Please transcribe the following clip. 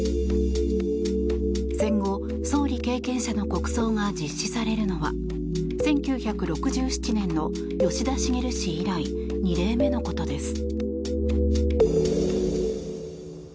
戦後、総理経験者の国葬が実施されるのは１９６７年の吉田茂氏以来２例目のことです。